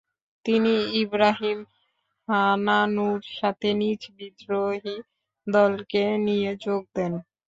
তিনি ইবরাহিম হানানুর সাথে নিজ বিদ্রোহী দলকে নিয়ে যোগ দেন।